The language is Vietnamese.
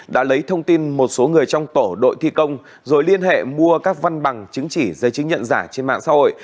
đã lấy thông tin một số người trong tổ đội thi công rồi liên hệ mua các văn bằng chứng chỉ giấy chứng nhận giả trên mạng xã hội